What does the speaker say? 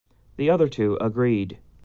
The other two agreed.